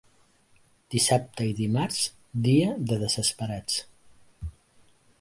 Dissabte i dimarts, dia de desesperats.